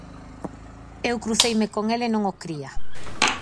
Eu cruceime con el e non o cría.